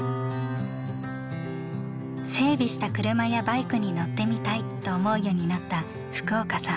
整備した車やバイクに乗ってみたいと思うようになった福岡さん。